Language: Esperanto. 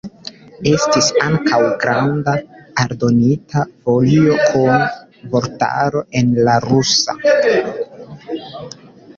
Estis ankaŭ granda aldonita folio kun vortaro en la rusa.